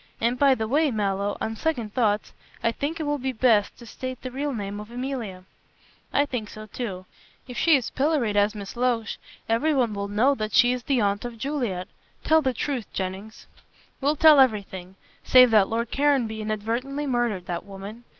And, by the way, Mallow, on second thoughts, I think it will be best to state the real name of Emilia." "I think so too. If she is pilloried as Miss Loach, everyone will know that she is the aunt of Juliet. Tell the truth, Jennings." "We'll tell everything, save that Lord Caranby inadvertently murdered that woman.